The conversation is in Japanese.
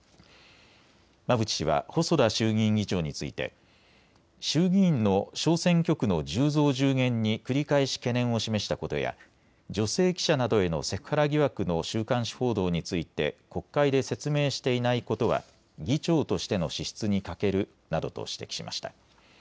馬淵氏は細田衆議院議長について衆議院の小選挙区の１０増１０減に繰り返し懸念を示したことや女性記者などへのセクハラ疑惑の週刊誌報道について国会で説明していないことは議長としての資質に欠けるなどと指摘しました。